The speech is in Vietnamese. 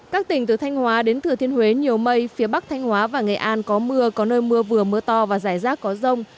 các tỉnh từ thanh hóa đến thừa thiên huế nhiều mây phía bắc thanh hóa và nghệ an có mưa có nơi mưa vừa mưa to và rải rác có rông